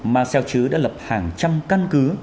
mà xeo chứa đã lập hàng trăm căn cứ